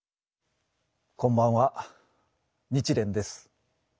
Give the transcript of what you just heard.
こんばんは日蓮です。